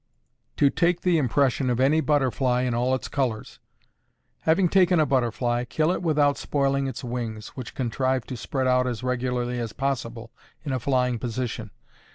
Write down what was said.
To take the Impression of any Butterfly in all its Colors. Having taken a butterfly, kill it without spoiling its wings, which contrive to spread out as regularly as possible in a flying position.